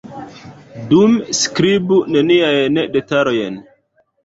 Dume skribu neniajn detalojn.